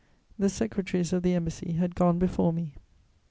The secretaries of the Embassy had gone before me.